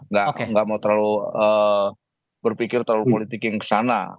nggak mau terlalu berpikir terlalu politik yang kesana